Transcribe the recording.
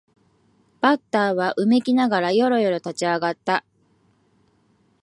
バッターはうめきながらよろよろと立ち上がった